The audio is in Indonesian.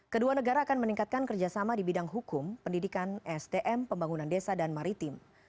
kedua negara akan meningkatkan kerjasama di bidang hukum pendidikan sdm pembangunan desa dan maritim